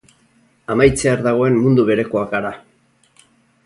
Amaitzear dagoen mundu berekoak gara.